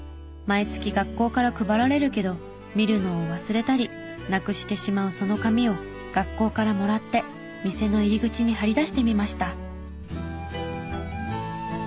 毎月学校から配られるけど見るのを忘れたりなくしてしまうその紙を学校からもらって店の入り口に貼り出してみました。